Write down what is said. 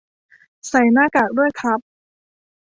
ใส่หน้ากากด้วยครับ